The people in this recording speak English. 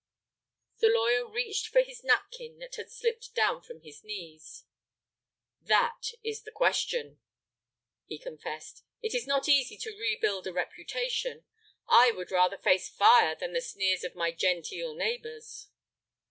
The lawyer reached for his napkin that had slipped down from his knees. "That is the question," he confessed, "it is not easy to rebuild a reputation. I would rather face fire than the sneers of my genteel neighbors."